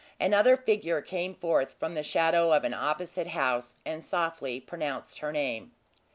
Another figure came forth from the shadow of an opposite house, and softly pronounced her name.